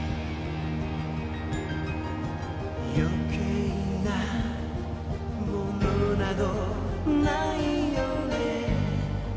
「余計な物など無いよね」